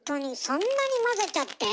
そんなに混ぜちゃって？